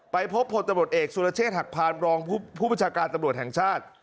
พบผลตำรวจเอกสุรเชษฐหักพานรองผู้ประชาการตำรวจแห่งชาติ